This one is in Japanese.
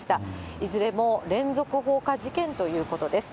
いずれも連続放火事件ということです。